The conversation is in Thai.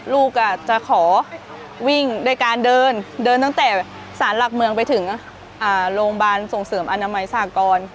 ลูกจะขอวิ่งด้วยการเดินเดินตั้งแต่สารหลักเมืองไปถึงโรงพยาบาลส่งเสริมอนามัยสากร